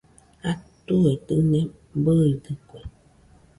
Atue dɨne bɨidɨkue